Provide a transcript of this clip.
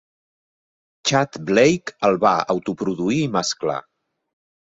Tchad Blake el va autoproduir i mesclar.